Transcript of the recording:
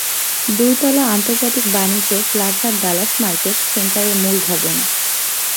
দুই তলা আন্তর্জাতিক বাণিজ্য প্লাজা ডালাস মার্কেট সেন্টারের মূল ভবন।